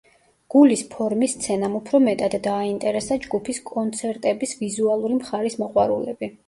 გულის ფორმის სცენამ უფრო მეტად დააინტერესა ჯგუფის კონცერტების ვიზუალური მხარის მოყვარულები.